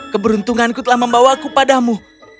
keberuntunganku telah membawa aku padamu